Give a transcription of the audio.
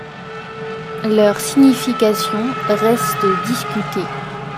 Leur signification reste discutée.